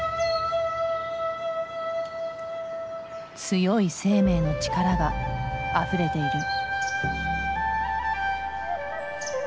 強い生命の力があふれている。